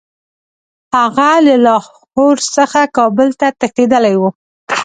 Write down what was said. هغه له لاهور څخه کابل ته تښتېتدلی وو.